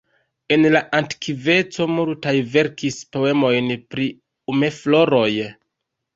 En la antikveco multaj verkis poemojn pri umefloroj.